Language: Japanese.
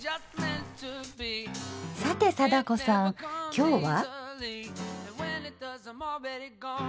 さて貞子さん今日は？